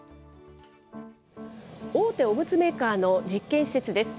大手おむつメーカーの実験施設です。